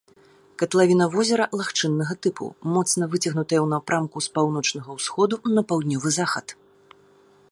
Катлавіна возера лагчыннага тыпу, моцна выцягнутая ў напрамку з паўночнага ўсходу на паўднёвы захад.